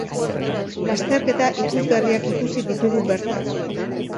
Lasterketa ikusgarriak ikusi ditugu bertan!